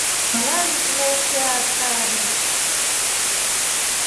Ngilekuvetia hatri.